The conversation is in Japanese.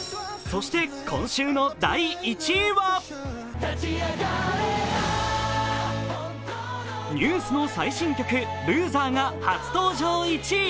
そして、今週の第１位はＮＥＷＳの最新曲「ＬＯＳＥＲ」が初登場１位。